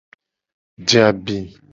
Je abi.